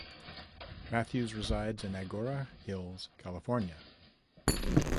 Matthews resides in Agoura Hills, California.